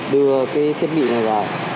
đưa cái thiết bị này vào